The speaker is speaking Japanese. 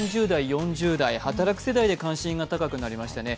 ３０代、４０代、働く世代で関心が高くなりましたね。